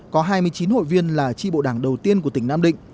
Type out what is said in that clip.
có hai mươi chín hội viên là tri bộ đảng đầu tiên của tỉnh nam định